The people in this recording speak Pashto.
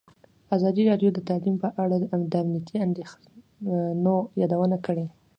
ازادي راډیو د تعلیم په اړه د امنیتي اندېښنو یادونه کړې.